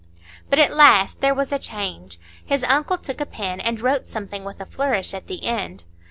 But at last there was a change; his uncle took a pen and wrote something with a flourish at the end.